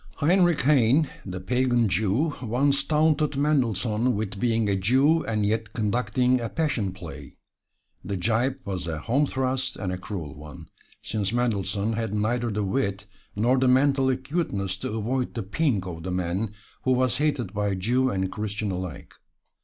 Heinrich Heine, the pagan Jew, once taunted Mendelssohn with being a Jew and yet conducting a "Passion Play." The gibe was a home thrust and a cruel one, since Mendelssohn had neither the wit nor the mental acuteness to avoid the pink of the man who was hated by Jew and Christian alike.